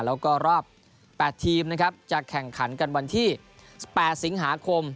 แล้วก็รอบ๘ทีมนะครับจะแข่งขันกันวันที่๑๘สิงหาคม